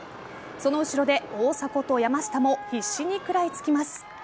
その後ろで大迫と山下も必死に食らいつきます。